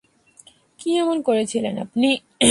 কি এমন করেছিলেন আপনি?